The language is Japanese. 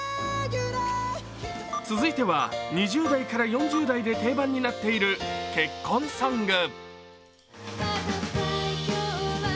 続いては２０代から４０代で定番になっている結婚ソング。